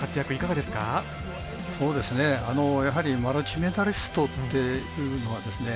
そうですねやはりマルチメダリストっていうのはですね